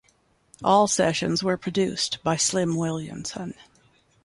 All sessions were produced by Slim Williamson.